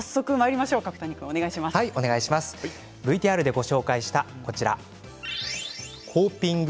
ＶＴＲでご紹介したコーピング。